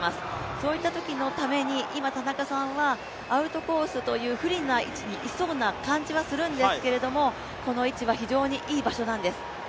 そういったときのために今、田中さんはアウトコースという不利な位置にいそうな感じはするんですけれども、この位置は非常にいい場所なんです。